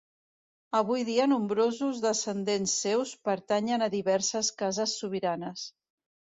Avui dia nombrosos descendents seus pertanyen a diverses cases sobiranes.